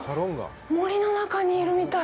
森の中にいるみたい。